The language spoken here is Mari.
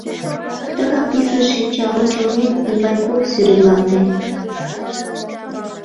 Тыгак писын шинчаончылнем Ивайков сӱретлалте.